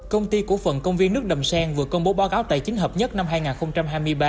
công ty của phần công viên nước đầm sen vừa công bố báo cáo tài chính hợp nhất năm hai nghìn hai mươi ba đã kiểm